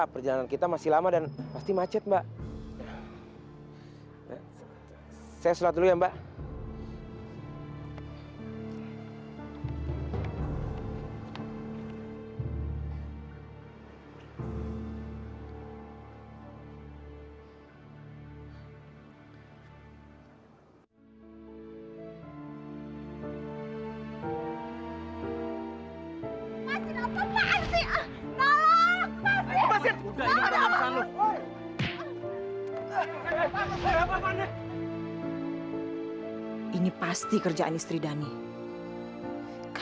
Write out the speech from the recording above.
perjalanan kita masih lama dan pasti macet mbak